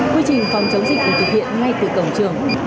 quy trình phòng chống dịch được thực hiện ngay từ cổng trường